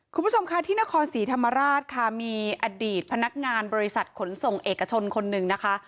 คุณผู้ชมค่ะที่นครศรีธรรมราชค่ะมีอดีตพนักงานบริษัทขนส่งเอกชนคนหนึ่งนะคะ